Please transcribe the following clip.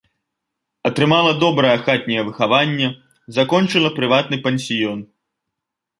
Атрымала добрае хатняе выхаванне, закончыла прыватны пансіён.